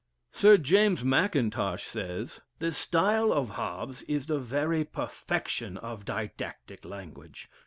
Sir James Mackintosh says: * "The style of Hobbes is the very perfection of didactic language.